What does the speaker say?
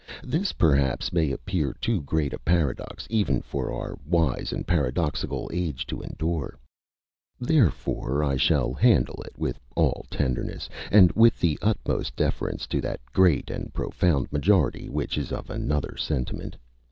This perhaps may appear too great a paradox even for our wise and paxodoxical age to endure; therefore I shall handle it with all tenderness, and with the utmost deference to that great and profound majority which is of another sentiment.